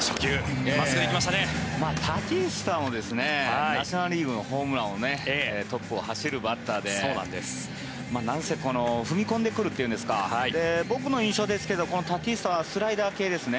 タティスさんもナショナル・リーグのホームランでトップを走るバッターで踏み込んでくるというんですか僕の印象ですとこのタティスはスライド系ですね。